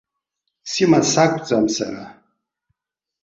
Сима сакәӡам сара!